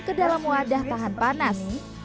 kedalam wadah tahan panas